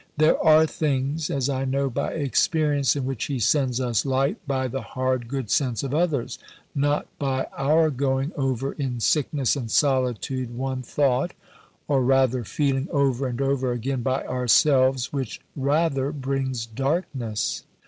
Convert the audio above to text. There are things, as I know by experience, in which He sends us light by the hard good sense of others, not by our going over in sickness and solitude one thought, or rather feeling, over and over again by ourselves, which rather brings darkness.